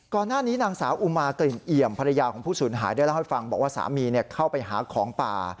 ก่อนหน้านี้นางสาอุมากลิ่นเอี่ยมภรรยาของผู้ศูนย์หายด้วยแล้วให้ฟังบอกว่าสามีเข้าไปหาของป่า